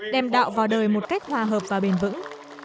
đem đạo vào đời một cách hòa hợp và bền vững